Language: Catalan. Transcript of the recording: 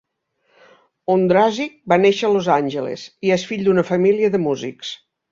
Ondrasik va néixer a Los Angeles, i és fill d'una família de músics.